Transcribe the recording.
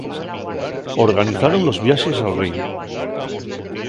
Organizaron los viaxes al ríu.